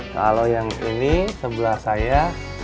kalau yang ini sebelah saya